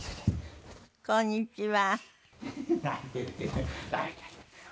こんにちは。